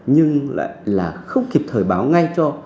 nhưng lại là không kịp thời báo ngay cho